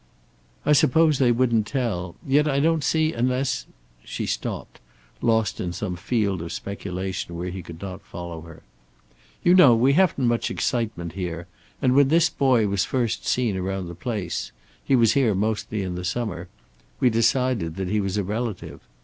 "I suppose they wouldn't tell. Yet I don't see, unless " She stopped, lost in some field of speculation where he could not follow her. "You know, we haven't much excitement here, and when this boy was first seen around the place he was here mostly in the summer we decided that he was a relative.